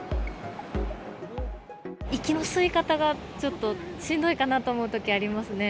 息の吸い方が、ちょっとしんどいかなと思うときありますね。